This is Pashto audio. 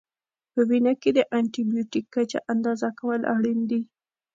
په وینه کې د انټي بیوټیک کچه اندازه کول اړین دي.